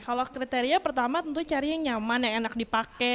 kalau kriteria pertama tentu cari yang nyaman yang enak dipakai